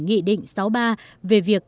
nghị định sáu mươi ba về việc